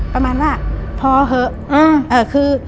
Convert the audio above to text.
ประมาณว่าพอเหอะ